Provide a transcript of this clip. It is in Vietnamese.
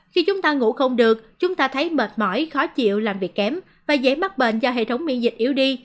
khi chúng ta ngủ không được chúng ta thấy mệt mỏi khó chịu làm việc kém và dễ mắc bệnh cho hệ thống miễn dịch yếu đi